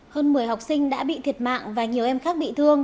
hơn một mươi học sinh đã bị thiệt mạng và nhiều em khác bị thương